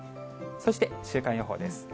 そして週間予報です。